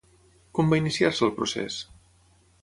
Com va iniciar-se el procés?